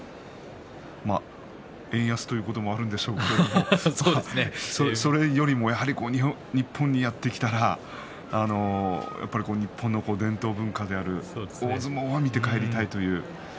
円安ということもあるんでしょうけれどもそれよりも、やっぱり日本にやって来たら日本の伝統文化である大相撲は見て帰りたいという。